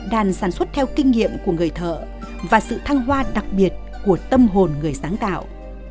đàn sản xuất theo kinh nghiệm của người thợ và sự thăng hoa đặc biệt của tâm hồn người sáng tạo